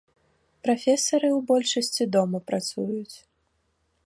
Прафесары ў большасці дома працуюць.